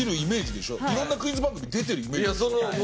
色んなクイズ番組出てるイメージでしょ？